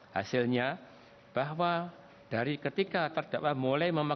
hasilnya bahwa dari ketika terdakwa mulai berbicara tentang video yang telah dilakukan oleh pemerintah